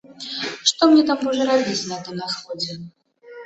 Што мне там дужа рабіць, на тым на сходзе?